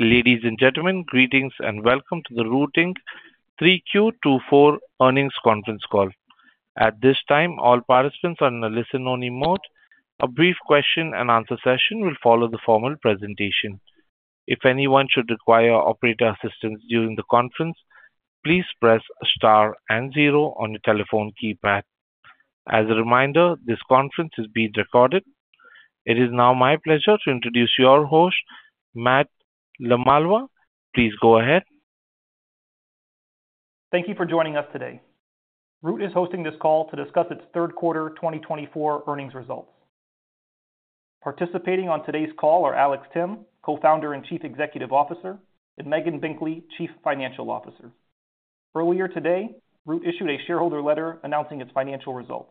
Ladies and gentlemen, greetings and welcome to the Root Q3 2024 earnings conference call. At this time, all participants are in a listen-only mode. A brief question-and-answer session will follow the formal presentation. If anyone should require operator assistance during the conference, please press star and zero on your telephone keypad. As a reminder, this conference is being recorded. It is now my pleasure to introduce your host, Matt LaMalva. Please go ahead. Thank you for joining us today. Root is hosting this call to discuss its third quarter 2024 earnings results. Participating on today's call are Alex Timm, Co-founder and Chief Executive Officer, and Megan Binkley, Chief Financial Officer. Earlier today, Root issued a shareholder letter announcing its financial results.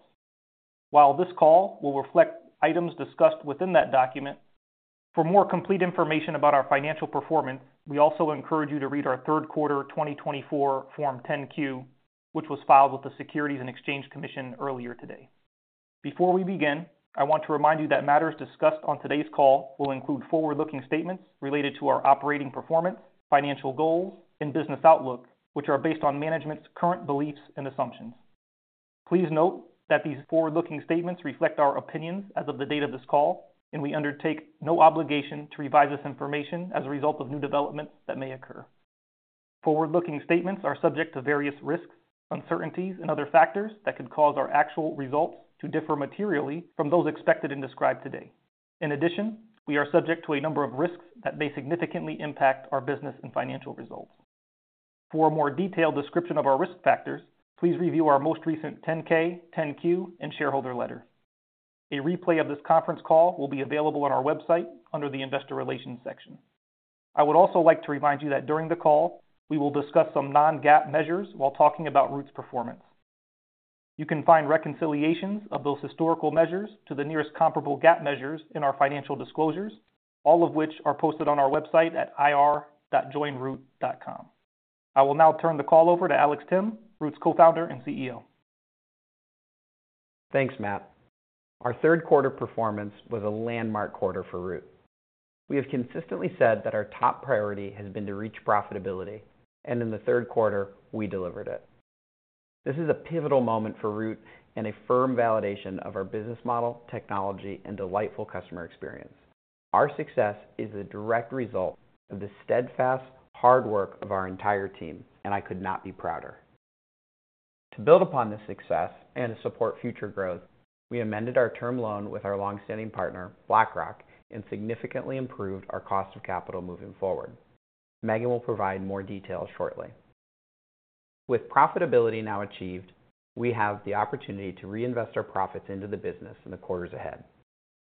While this call will reflect items discussed within that document, for more complete information about our financial performance, we also encourage you to read our third quarter 2024 Form 10-Q, which was filed with the Securities and Exchange Commission earlier today. Before we begin, I want to remind you that matters discussed on today's call will include forward-looking statements related to our operating performance, financial goals, and business outlook, which are based on management's current beliefs and assumptions. Please note that these forward-looking statements reflect our opinions as of the date of this call, and we undertake no obligation to revise this information as a result of new developments that may occur. Forward-looking statements are subject to various risks, uncertainties, and other factors that could cause our actual results to differ materially from those expected and described today. In addition, we are subject to a number of risks that may significantly impact our business and financial results. For a more detailed description of our risk factors, please review our most recent 10-K, 10-Q, and shareholder letter. A replay of this conference call will be available on our website under the Investor Relations section. I would also like to remind you that during the call, we will discuss some non-GAAP measures while talking about Root's performance. You can find reconciliations of those historical measures to the nearest comparable GAAP measures in our financial disclosures, all of which are posted on our website at ir.joinroot.com. I will now turn the call over to Alex Timm, Root's Co-founder and CEO. Thanks, Matt. Our third quarter performance was a landmark quarter for Root. We have consistently said that our top priority has been to reach profitability, and in the third quarter, we delivered it. This is a pivotal moment for Root and a firm validation of our business model, technology, and delightful customer experience. Our success is the direct result of the steadfast hard work of our entire team, and I could not be prouder. To build upon this success and to support future growth, we amended our term loan with our longstanding partner, BlackRock, and significantly improved our cost of capital moving forward. Megan will provide more details shortly. With profitability now achieved, we have the opportunity to reinvest our profits into the business in the quarters ahead,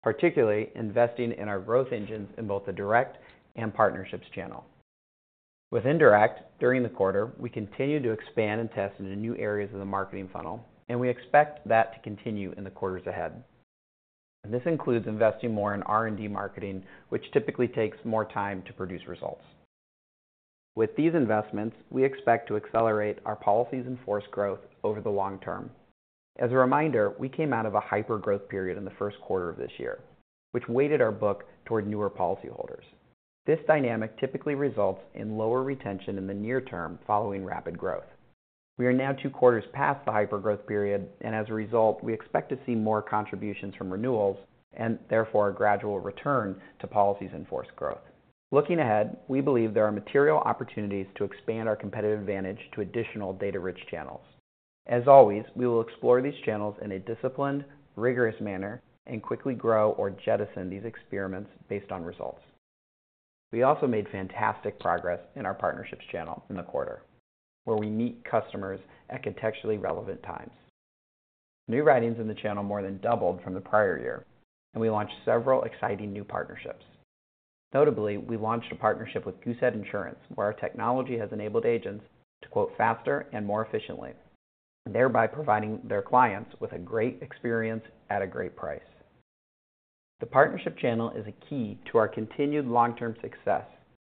particularly investing in our growth engines in both the direct and partnerships channel. With indirect, during the quarter, we continue to expand and test into new areas of the marketing funnel, and we expect that to continue in the quarters ahead. This includes investing more in R&D marketing, which typically takes more time to produce results. With these investments, we expect to accelerate our policies in force growth over the long term. As a reminder, we came out of a hyper-growth period in the first quarter of this year, which weighted our book toward newer policyholders. This dynamic typically results in lower retention in the near term following rapid growth. We are now two quarters past the hyper-growth period, and as a result, we expect to see more contributions from renewals and therefore a gradual return to policies in force growth. Looking ahead, we believe there are material opportunities to expand our competitive advantage to additional data-rich channels. As always, we will explore these channels in a disciplined, rigorous manner and quickly grow or jettison these experiments based on results. We also made fantastic progress in our partnerships channel in the quarter, where we meet customers at contextually relevant times. New writings in the channel more than doubled from the prior year, and we launched several exciting new partnerships. Notably, we launched a partnership with Goosehead Insurance, where our technology has enabled agents to quote faster and more efficiently, thereby providing their clients with a great experience at a great price. The partnership channel is a key to our continued long-term success,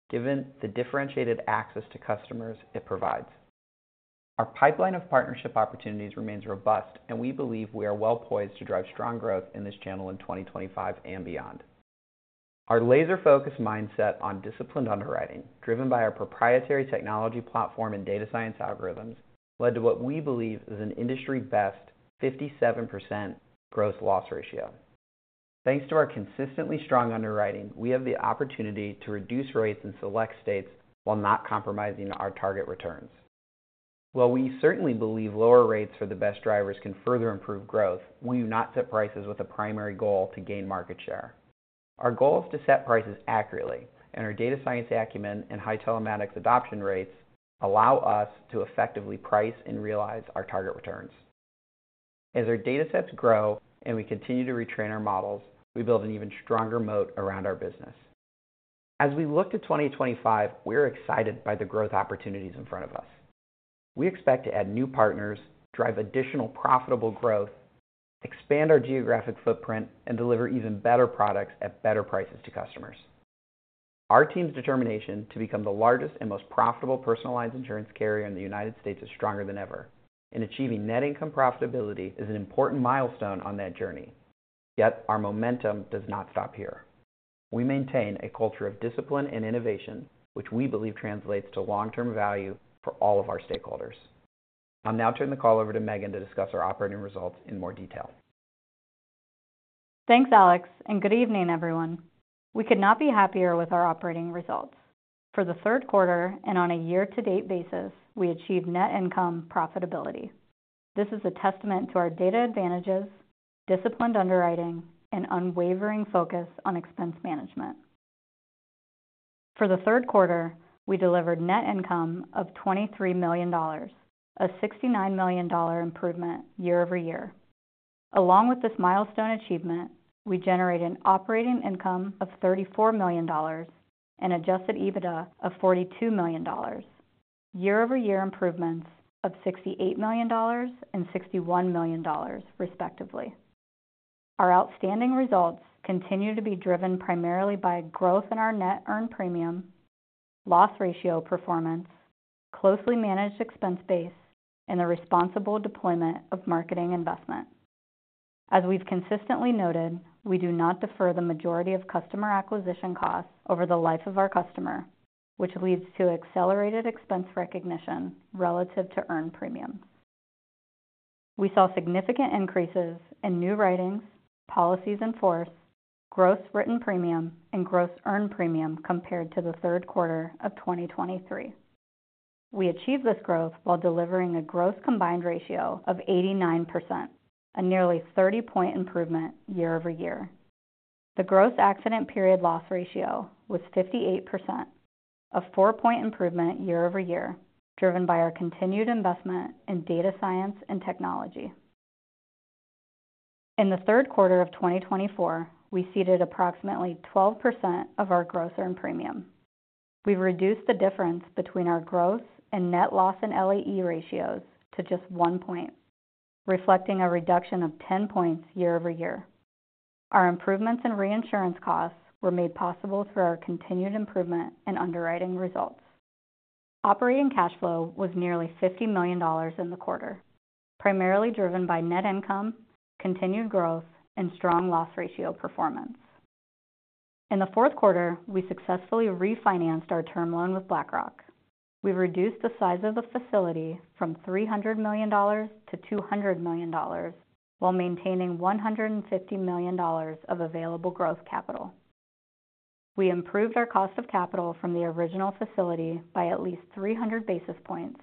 given the differentiated access to customers it provides. Our pipeline of partnership opportunities remains robust, and we believe we are well poised to drive strong growth in this channel in 2025 and beyond. Our laser-focused mindset on disciplined underwriting, driven by our proprietary technology platform and data science algorithms, led to what we believe is an industry-best 57% gross loss ratio. Thanks to our consistently strong underwriting, we have the opportunity to reduce rates in select states while not compromising our target returns. While we certainly believe lower rates for the best drivers can further improve growth, we do not set prices with a primary goal to gain market share. Our goal is to set prices accurately, and our data science acumen and high telematics adoption rates allow us to effectively price and realize our target returns. As our data sets grow and we continue to retrain our models, we build an even stronger moat around our business. As we look to 2025, we are excited by the growth opportunities in front of us. We expect to add new partners, drive additional profitable growth, expand our geographic footprint, and deliver even better products at better prices to customers. Our team's determination to become the largest and most profitable personalized insurance carrier in the United States is stronger than ever, and achieving net income profitability is an important milestone on that journey. Yet our momentum does not stop here. We maintain a culture of discipline and innovation, which we believe translates to long-term value for all of our stakeholders. I'm now turning the call over to Megan to discuss our operating results in more detail. Thanks, Alex, and good evening, everyone. We could not be happier with our operating results. For the third quarter and on a year-to-date basis, we achieved net income profitability. This is a testament to our data advantages, disciplined underwriting, and unwavering focus on expense management. For the third quarter, we delivered net income of $23 million, a $69 million improvement year over year. Along with this milestone achievement, we generated operating income of $34 million and Adjusted EBITDA of $42 million, year-over-year improvements of $68 million and $61 million, respectively. Our outstanding results continue to be driven primarily by growth in our net earned premium, loss ratio performance, closely managed expense base, and the responsible deployment of marketing investment. As we've consistently noted, we do not defer the majority of customer acquisition costs over the life of our customer, which leads to accelerated expense recognition relative to earned premiums. We saw significant increases in new writings, policies in force, gross written premium, and gross earned premium compared to the third quarter of 2023. We achieved this growth while delivering a gross combined ratio of 89%, a nearly 30-point improvement year over year. The gross accident period loss ratio was 58%, a 4-point improvement year over year, driven by our continued investment in data science and technology. In the third quarter of 2024, we ceded approximately 12% of our gross earned premium. We've reduced the difference between our gross and net loss and LAE ratios to just one point, reflecting a reduction of 10 points year over year. Our improvements in reinsurance costs were made possible through our continued improvement in underwriting results. Operating cash flow was nearly $50 million in the quarter, primarily driven by net income, continued growth, and strong loss ratio performance. In the fourth quarter, we successfully refinanced our term loan with BlackRock. We reduced the size of the facility from $300 million-$200 million while maintaining $150 million of available growth capital. We improved our cost of capital from the original facility by at least 300 basis points,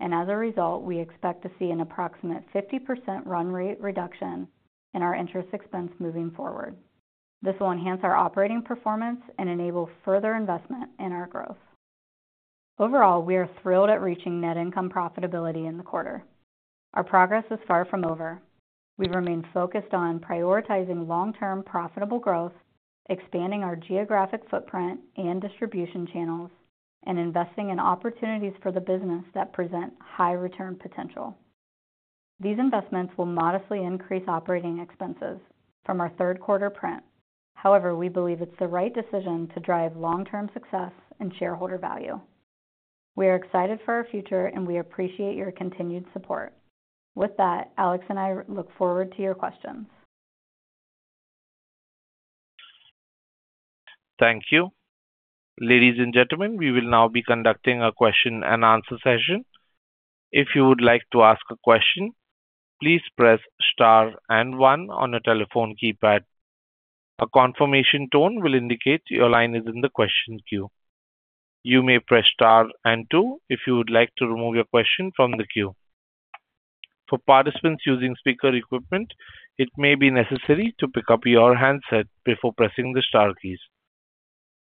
and as a result, we expect to see an approximate 50% run rate reduction in our interest expense moving forward. This will enhance our operating performance and enable further investment in our growth. Overall, we are thrilled at reaching net income profitability in the quarter. Our progress is far from over. We've remained focused on prioritizing long-term profitable growth, expanding our geographic footprint and distribution channels, and investing in opportunities for the business that present high return potential. These investments will modestly increase operating expenses from our third quarter print. However, we believe it's the right decision to drive long-term success and shareholder value. We are excited for our future, and we appreciate your continued support. With that, Alex and I look forward to your questions. Thank you. Ladies and gentlemen, we will now be conducting a question-and-answer session. If you would like to ask a question, please press star and one on your telephone keypad. A confirmation tone will indicate your line is in the question queue. You may press star and two if you would like to remove your question from the queue. For participants using speaker equipment, it may be necessary to pick up your handset before pressing the star keys.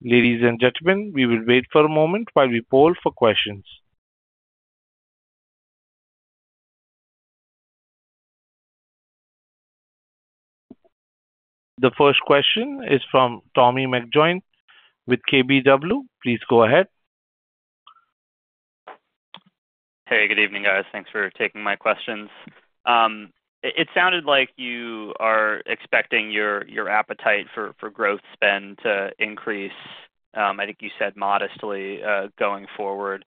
Ladies and gentlemen, we will wait for a moment while we poll for questions. The first question is from Tommy McJoynt with KBW. Please go ahead. Hey, good evening, guys. Thanks for taking my questions. It sounded like you are expecting your appetite for growth spend to increase. I think you said modestly going forward.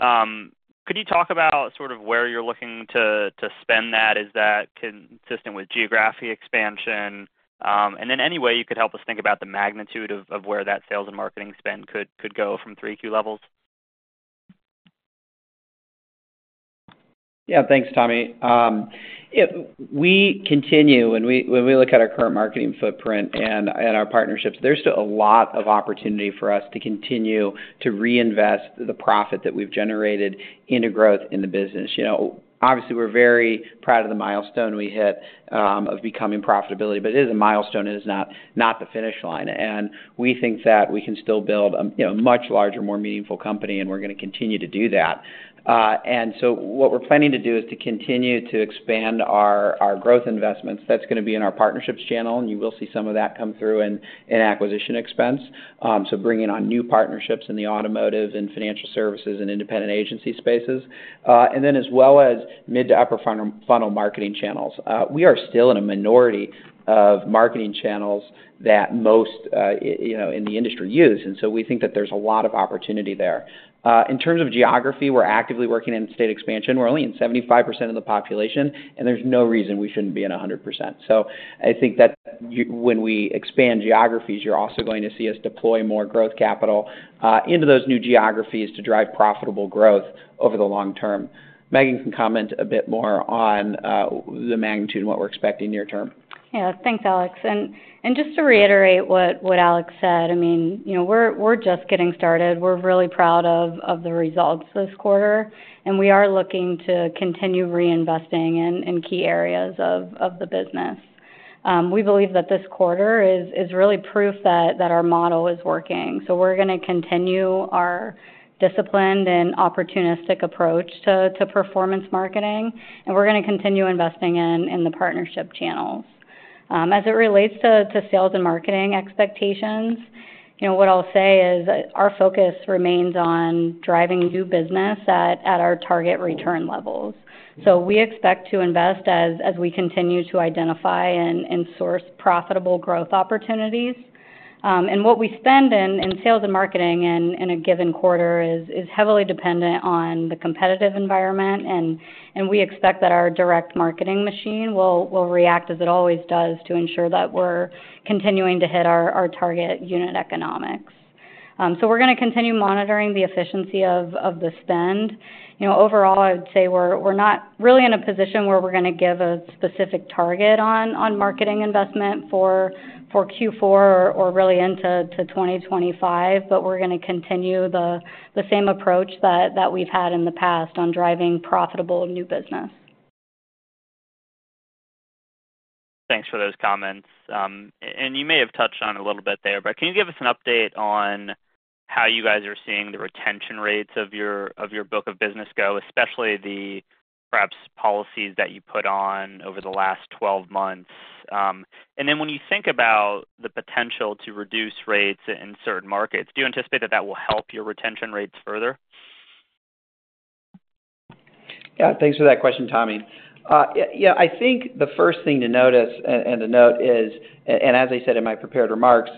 Could you talk about sort of where you're looking to spend that? Is that consistent with geography expansion? And then any way you could help us think about the magnitude of where that sales and marketing spend could go from Q3 levels? Yeah, thanks, Tommy. We continue, and when we look at our current marketing footprint and our partnerships, there's still a lot of opportunity for us to continue to reinvest the profit that we've generated into growth in the business. Obviously, we're very proud of the milestone we hit of becoming profitable, but it is a milestone. It is not the finish line, and we think that we can still build a much larger, more meaningful company, and we're going to continue to do that, and so what we're planning to do is to continue to expand our growth investments. That's going to be in our partnerships channel, and you will see some of that come through in acquisition expense, so bringing on new partnerships in the automotive and financial services and independent agency spaces, and then as well as mid to upper funnel marketing channels. We are still in a minority of marketing channels that most in the industry use. And so we think that there's a lot of opportunity there. In terms of geography, we're actively working in state expansion. We're only in 75% of the population, and there's no reason we shouldn't be in 100%. So I think that when we expand geographies, you're also going to see us deploy more growth capital into those new geographies to drive profitable growth over the long term. Megan can comment a bit more on the magnitude and what we're expecting near term. Yeah, thanks, Alex. And just to reiterate what Alex said, I mean, we're just getting started. We're really proud of the results this quarter, and we are looking to continue reinvesting in key areas of the business. We believe that this quarter is really proof that our model is working. So we're going to continue our disciplined and opportunistic approach to performance marketing, and we're going to continue investing in the partnership channels. As it relates to sales and marketing expectations, what I'll say is our focus remains on driving new business at our target return levels. So we expect to invest as we continue to identify and source profitable growth opportunities. And what we spend in sales and marketing in a given quarter is heavily dependent on the competitive environment, and we expect that our direct marketing machine will react as it always does to ensure that we're continuing to hit our target unit economics. So we're going to continue monitoring the efficiency of the spend. Overall, I would say we're not really in a position where we're going to give a specific target on marketing investment for Q4 or really into 2025, but we're going to continue the same approach that we've had in the past on driving profitable new business. Thanks for those comments. And you may have touched on it a little bit there, but can you give us an update on how you guys are seeing the retention rates of your book of business go, especially the perhaps policies that you put on over the last 12 months? And then when you think about the potential to reduce rates in certain markets, do you anticipate that that will help your retention rates further? Yeah, thanks for that question, Tommy. Yeah, I think the first thing to notice and to note is, and as I said in my prepared remarks,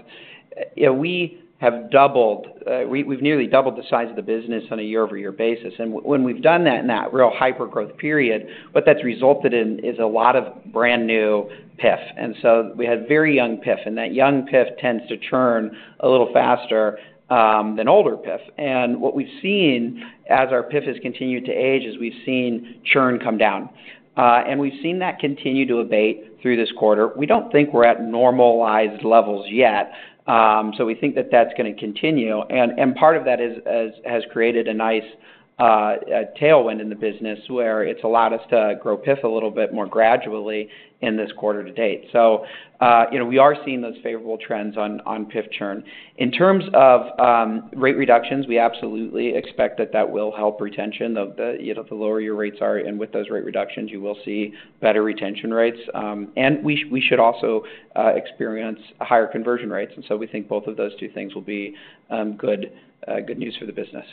we have doubled. We've nearly doubled the size of the business on a year-over-year basis. And when we've done that in that real hypergrowth period, what that's resulted in is a lot of brand new PIF. And so we had very young PIF, and that young PIF tends to churn a little faster than older PIF. And what we've seen as our PIF has continued to age is we've seen churn come down. And we've seen that continue to abate through this quarter. We don't think we're at normalized levels yet. So we think that that's going to continue. And part of that has created a nice tailwind in the business where it's allowed us to grow PIF a little bit more gradually in this quarter to date. So we are seeing those favorable trends on PIF churn. In terms of rate reductions, we absolutely expect that that will help retention. The lower your rates are, and with those rate reductions, you will see better retention rates. And we should also experience higher conversion rates. And so we think both of those two things will be good news for the business.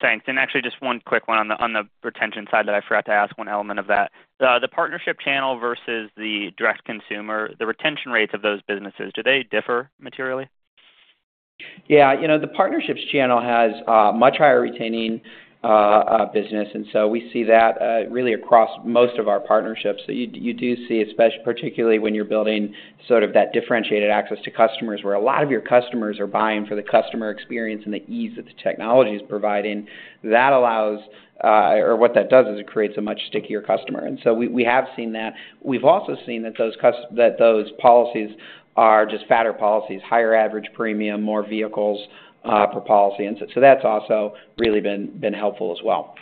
Thanks. And actually, just one quick one on the retention side that I forgot to ask one element of that. The partnership channel versus the direct channel, the retention rates of those businesses, do they differ materially? Yeah. The partnerships channel has a much higher retaining business, and so we see that really across most of our partnerships. So you do see, particularly when you're building sort of that differentiated access to customers where a lot of your customers are buying for the customer experience and the ease that the technology is providing, that allows or what that does is it creates a much stickier customer. And so we have seen that. We've also seen that those policies are just fatter policies, higher average premium, more vehicles per policy. And so that's also really been helpful as well.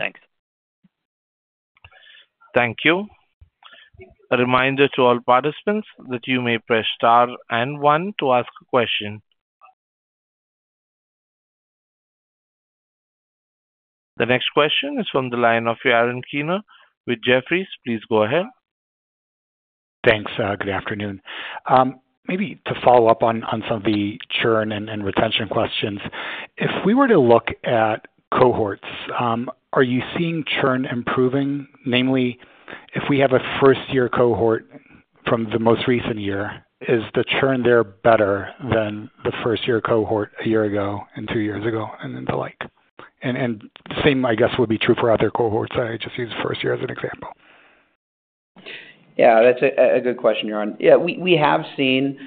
Thanks. Thank you. A reminder to all participants that you may press star and one to ask a question. The next question is from the line of Yaron Kinar with Jefferies. Please go ahead. Thanks. Good afternoon. Maybe to follow up on some of the churn and retention questions. If we were to look at cohorts, are you seeing churn improving? Namely, if we have a first-year cohort from the most recent year, is the churn there better than the first-year cohort a year ago and two years ago and the like? And the same, I guess, would be true for other cohorts. I just used first year as an example. Yeah, that's a good question, Yaron. Yeah, we have seen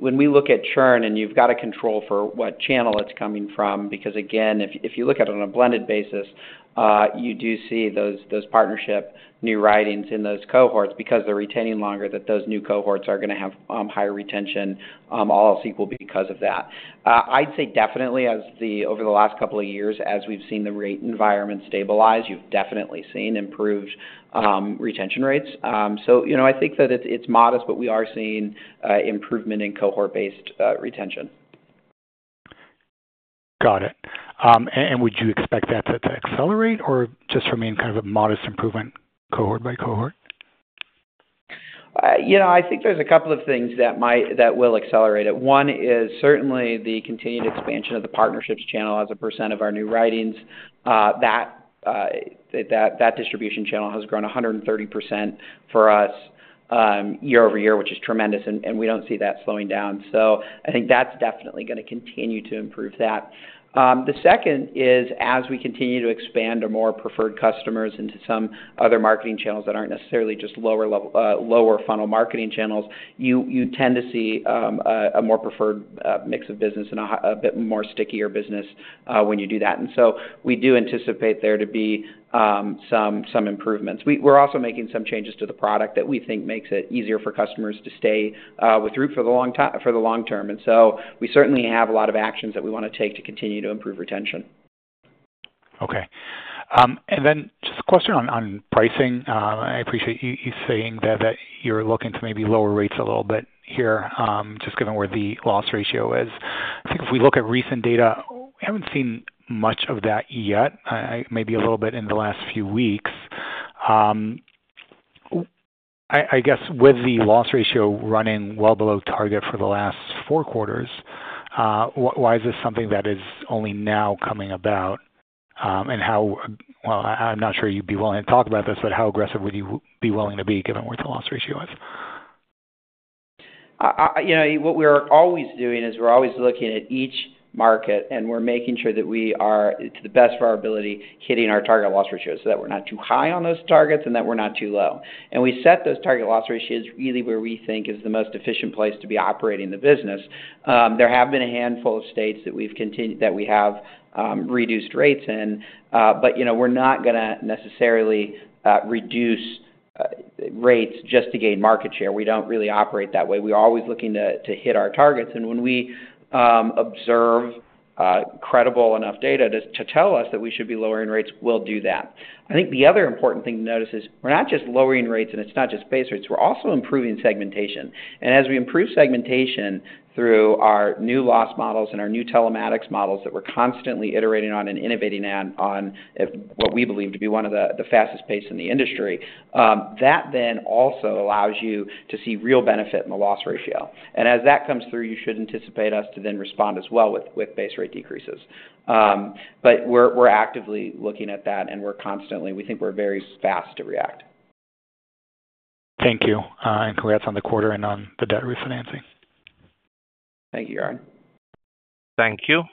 when we look at churn and you've got to control for what channel it's coming from because, again, if you look at it on a blended basis, you do see those partnership new writings in those cohorts because they're retaining longer, that those new cohorts are going to have higher retention, all else equal, because of that. I'd say definitely over the last couple of years, as we've seen the rate environment stabilize, you've definitely seen improved retention rates. I think that it's modest, but we are seeing improvement in cohort-based retention. Got it. And would you expect that to accelerate or just remain kind of a modest improvement cohort by cohort? I think there's a couple of things that will accelerate it. One is certainly the continued expansion of the partnerships channel as a percent of our new writings. That distribution channel has grown 130% for us year over year, which is tremendous, and we don't see that slowing down, so I think that's definitely going to continue to improve that. The second is, as we continue to expand to more preferred customers into some other marketing channels that aren't necessarily just lower funnel marketing channels, you tend to see a more preferred mix of business and a bit more stickier business when you do that, and so we do anticipate there to be some improvements. We're also making some changes to the product that we think makes it easier for customers to stay with Root for the long term. And so we certainly have a lot of actions that we want to take to continue to improve retention. Okay. And then just a question on pricing. I appreciate you saying that you're looking to maybe lower rates a little bit here, just given where the loss ratio is. I think if we look at recent data, we haven't seen much of that yet, maybe a little bit in the last few weeks. I guess with the loss ratio running well below target for the last four quarters, why is this something that is only now coming about? And I'm not sure you'd be willing to talk about this, but how aggressive would you be willing to be given where the loss ratio is? What we're always doing is we're always looking at each market, and we're making sure that we are, to the best of our ability, hitting our target loss ratios so that we're not too high on those targets and that we're not too low, and we set those target loss ratios really where we think is the most efficient place to be operating the business. There have been a handful of states that we have reduced rates in, but we're not going to necessarily reduce rates just to gain market share. We don't really operate that way. We're always looking to hit our targets, and when we observe credible enough data to tell us that we should be lowering rates, we'll do that. I think the other important thing to notice is we're not just lowering rates, and it's not just base rates. We're also improving segmentation. And as we improve segmentation through our new loss models and our new telematics models that we're constantly iterating on and innovating on at what we believe to be one of the fastest pace in the industry, that then also allows you to see real benefit in the loss ratio. And as that comes through, you should anticipate us to then respond as well with base rate decreases. But we're actively looking at that, and we think we're very fast to react. Thank you. And congrats on the quarter and on the debt refinancing. Thank you, Yaron. Thank you.